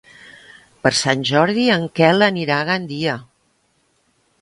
Per Sant Jordi en Quel anirà a Gandia.